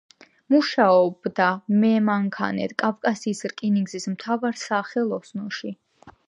მუშაობდა მემანქანედ კავკასიის რკინიგზის მთავარ სახელოსნოებში.